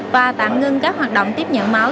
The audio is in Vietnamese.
và tạm ngưng các hoạt động tiếp nhận máu